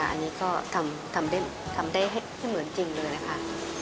อันนี้ก็ทำได้ให้เหมือนจริงเลยนะคะ